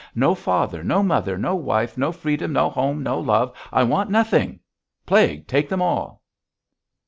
No father, no mother, no wife, no freedom, no home, no love! I want nothing.' Plague take 'em all."